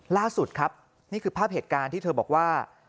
ล่าสุดครับนี่คือภาพเหตุการณ์ที่เธอบอกว่า